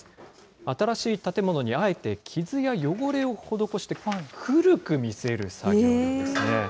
新しい建物に、あえて傷や汚れを施して、古く見せる作業なんですね。